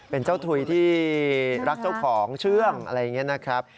เป็นเจ้าถุยที่รักเจ้าของเชื่องอะไรอย่างนี้นะครับ